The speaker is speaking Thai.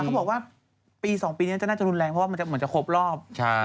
เขาบอกว่าปี๒ปีนี้จะน่าจะรุนแรงเพราะว่ามันจะเหมือนจะครบรอบ